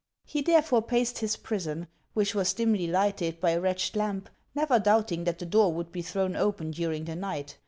He therefore paced his prison, which was dimly lighted by a wretched lamp, never doubting that the door would be thrown open during the night.